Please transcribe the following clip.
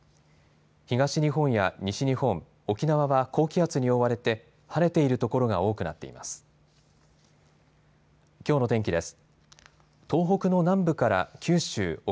東日本や西日本、沖縄は高気圧に覆われて晴れている所が多くなっています。